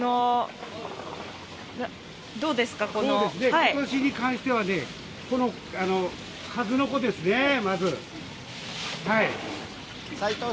今年に関しては、数の子ですね、まず。